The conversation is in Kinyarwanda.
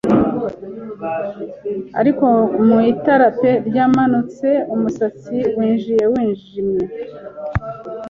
[Ariko mu itara pe ryamanutse umusatsi wijimye wijimye!]